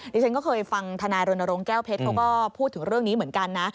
ดิฉันก็เคยฟังธนายรณรงค์แก้วเพชรเขาก็พูดถึงเรื่องนี้เหมือนกันนะ